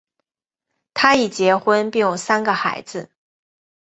他已经结婚并有三个孩子。